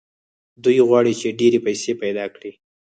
دوی غواړي چې ډېرې پيسې پيدا کړي.